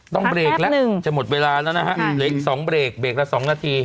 ต้องเบรกแล้วจะหมดเวลาแล้วนะฮะเหลืออีก๒เบรกเบรกละ๒นาที